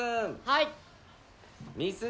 はい。